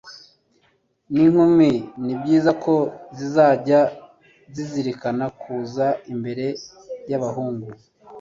Nk'inkumi ni byiza ko zizajya zizirikana kuza imbere y'abahungu